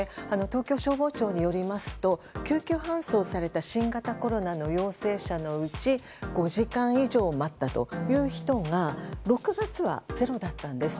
東京消防庁によりますと救急搬送された新型コロナの陽性者のうち５時間以上待ったという人が６月はゼロだったんです。